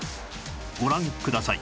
ご覧ください